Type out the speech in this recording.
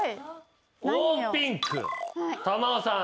オーピンク珠緒さん。